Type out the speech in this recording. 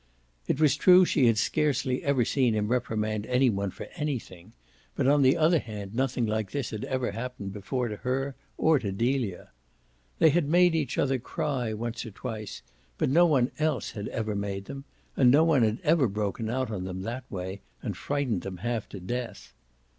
It was true she had scarcely ever seen him reprimand any one for anything; but on the other hand nothing like this had ever happened before to her or to Delia. They had made each other cry once or twice, but no one else had ever made them, and no one had ever broken out on them that way and frightened them half to death.